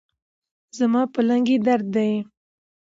زما په لنګې درد دي